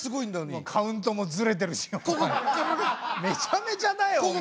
めちゃめちゃだよお前。